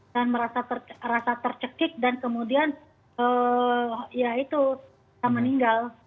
dan merasa tercekik dan kemudian ya itu bisa meninggal